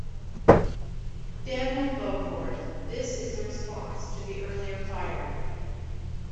Daniel Beaufort, this is a response to the earlier fire.